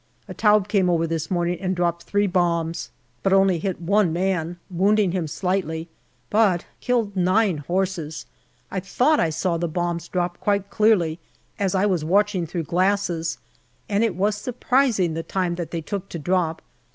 A Taube came over this morning and dropped three bombs t JUNE 141 but only hit one man, wounding him slightly, but killed nine horses. I thought I saw the bombs drop quite clearly, as I was watching through glasses, and it was surprising the time that they took to drop.